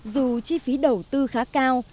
dù chi phí đầu tư khá cao